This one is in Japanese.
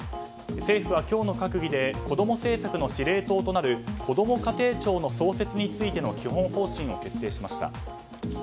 政府は今日の閣議でこども政策の司令塔となるこども家庭庁の創設についての基本方針を決定しました。